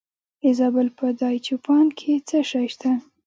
د زابل په دایچوپان کې څه شی شته؟